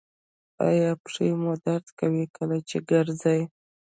ایا پښې مو درد کوي کله چې ګرځئ؟